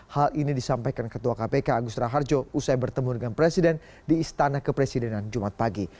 hal ini disampaikan ketua kpk agus raharjo usai bertemu dengan presiden di istana kepresidenan jumat pagi